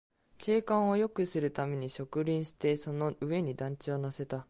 景観をよくするために植林して、その上に団地を乗せた